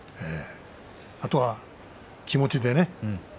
あとは気持ちでね。